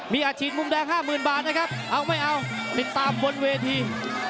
มีอาชีพมุมแดง๕๐๐๐บาทนะครับเอาไม่เอาติดตามบนเวที